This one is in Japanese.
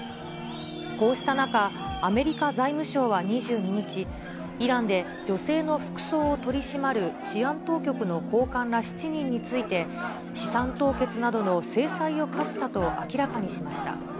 こうした中、アメリカ財務省は２２日、イランで女性の服装を取り締まる治安当局の高官ら７人について、資産凍結などの制裁を科したと明らかにしました。